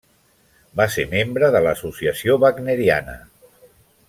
Va ser membre de l'Associació Wagneriana.